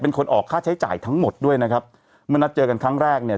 เป็นคนออกค่าใช้จ่ายทั้งหมดด้วยนะครับเมื่อนัดเจอกันครั้งแรกเนี่ย